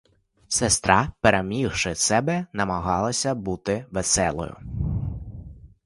Сестра, перемігши себе, намагалася; бути веселою.